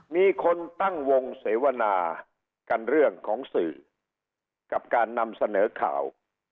มีคนตั้งวงเสวนากันเรื่องของสื่อกับการนำเสนอข่าว